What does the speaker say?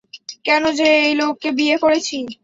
কেন যে এই লোককে বিয়ে করেছি।